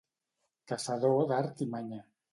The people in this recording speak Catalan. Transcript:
Caçador d'art i manya.